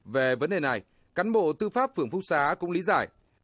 về vấn đề này cán bộ tư pháp phường phúc xá cũng lý giải